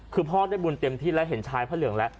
คือพ่อได้บุญเต็มที่แล้วเห็นชายพระเหลืองแล้ว